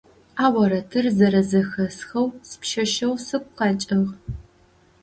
А орэдыр зэрэзэхэсхэу сипшъэшъэгъу сыгу къэкӀыгъ.